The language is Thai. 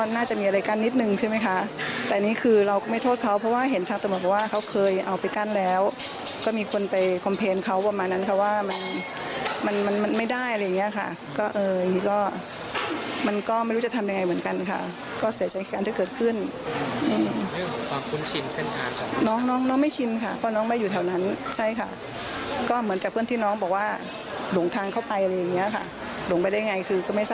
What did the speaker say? น้องน้องบอกว่าหลงทางเข้าไปหลงไปได้ยังไงคือก็ไม่ทราบ